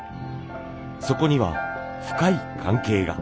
そこには深い関係が。